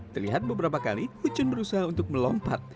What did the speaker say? terlihat beberapa kali huchun berusaha untuk melompat